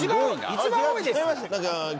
一番多いです。